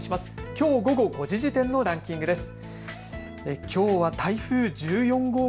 きょう午後５時時点のランキングです。